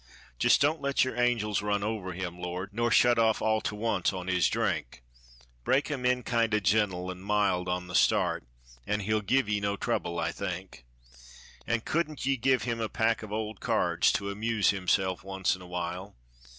Jist don't let yer angels run over him, Lord; Nor shut off all to once on his drink; Break him in kinder gentle an' mild on the start, An' he'll give ye no trouble, I think. An' couldn't ye give him a pack of old cards To amuse himself once in a while?